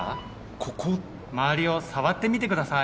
周りを触ってみて下さい。